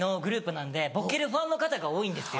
なんでボケるファンの方が多いんですよ。